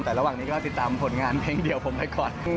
แต่ระหว่างนี้ก็ติดตามผลงานเพลงเดียวผมไปก่อน